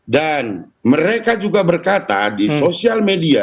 dan mereka juga berkata di sosial media